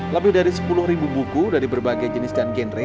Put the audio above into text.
lebih dari sepuluh ribu buku dari berbagai jenis dan genre